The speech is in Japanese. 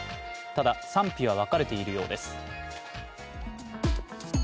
ただ賛否は分かれているようです。